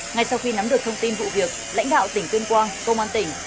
ngay sau khi nắm được thông tin vụ việc lãnh đạo tỉnh tuyên quang công an tỉnh